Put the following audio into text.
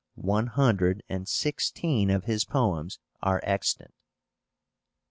One hundred and sixteen of his poems are extant.